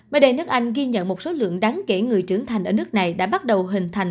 mới đây nước anh ghi nhận một số lượng đáng kể người trưởng thành ở nước này đã bắt đầu hình thành